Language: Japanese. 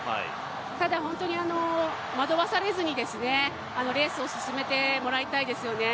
ただ本当に惑わされずにレースを進めてもらいたいですよね。